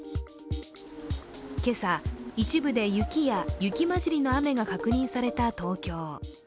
今朝、一部で雪や、雪交じりの雨が確認された東京。